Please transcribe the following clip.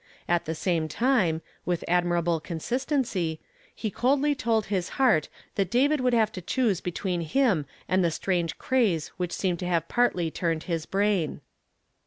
At tlie same time, Avith admirable consistency, lie coldly told his heart that David would have to choose between him and the strange craze which seemed to have partly turned his brain.